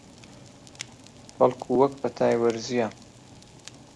بەڵکوو وەک پەتای وەرزییە